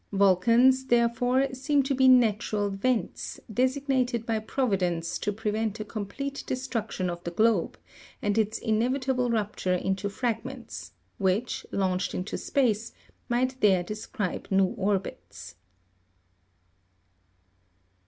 Volcans, therefore, seem to be natural vents, designed by Providence to pre vent a complete destruction of the globe, and its inevitable rupture into frag ments, which, launched into space, might there describe new orbits.